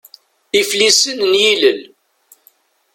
Iflisen n yilel.